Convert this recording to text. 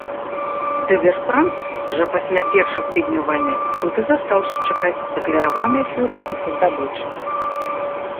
Дыверсант жа пасля першых тыдняў вайны тут і застаўся чакаць дакляраванай фюрэрам здабычы.